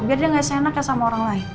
biar dia gak seenak sama orang lain